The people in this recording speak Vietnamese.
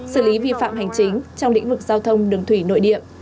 xử lý vi phạm hành chính trong lĩnh vực giao thông đường thủy nội địa